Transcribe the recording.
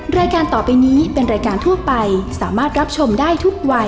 รายการต่อไปนี้เป็นรายการทั่วไปสามารถรับชมได้ทุกวัย